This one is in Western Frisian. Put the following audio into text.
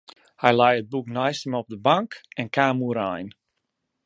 Hy lei it boek neist him op de bank en kaam oerein.